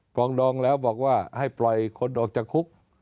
ปรองดองแล้วบอกว่าให้ปล่อยคนออกจากคุก